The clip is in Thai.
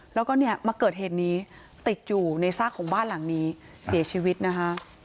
แล้วก็เนี่ยมาเกิดเหตุนี้ติดอยู่ในซากของบ้านหลังนี้เสียชีวิตนะคะ